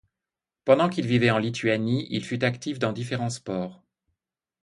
Pendant qu'il vivait en Lituanie, il fut actif dans différents sports.